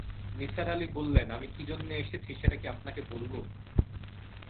নিসার আলি বললেন, আমি কি জন্যে এসেছি সেটা কি আপনাকে বলব?